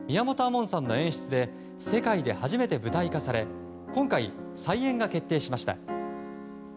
門さんの演出で世界で初めて舞台化され今回、再演が決定しました。